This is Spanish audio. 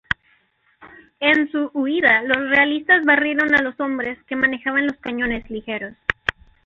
En su huida los realistas barrieron a los hombres que manejaban los cañones ligeros.